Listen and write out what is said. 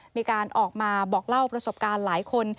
มีการออกมาบอกเล่าประสบการณ์หลายคน